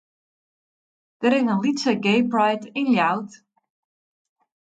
Der is in lytse gaypride yn Ljouwert.